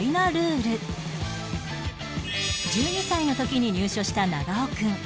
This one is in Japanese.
１２歳の時に入所した長尾くん